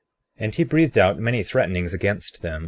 35:9 And he breathed out many threatenings against them.